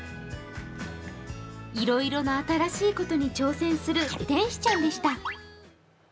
いろいろな新しいことに挑戦する天使ちゃんでした。